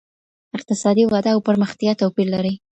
اقتصادي وده او پرمختيا توپير لري.